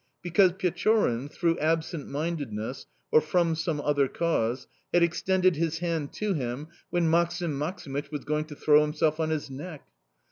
Because Pechorin, through absent mindedness or from some other cause, had extended his hand to him when Maksim Maksimych was going to throw himself on his neck!